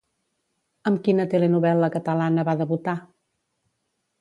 Amb quina telenovel·la catalana va debutar?